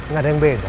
gak ada yang beda